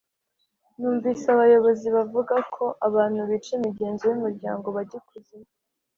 numvise abayobozi bavuga ko abantu bica imigenzo y’umuryango bajya ikuzimu